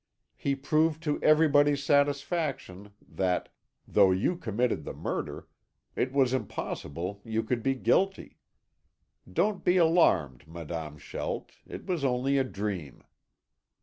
He proved to everybody's satisfaction that, though you committed the murder, it was impossible you could be guilty. Don't be alarmed, Madame Schelt, it was only a dream."